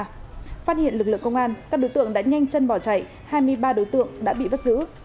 phát hiện lực lượng công an các đối tượng đã nhanh chân bỏ chạy hai mươi ba đối tượng đã bị bắt giữ